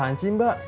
tiga tahun pak